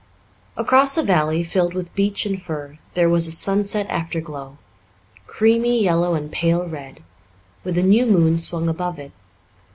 Across a valley filled with beech and fir, there was a sunset afterglow, creamy yellow and pale red, with a new moon swung above it.